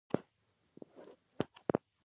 که مور تعليم وکړی نو ټوله کورنۍ تعلیم یافته کیږي.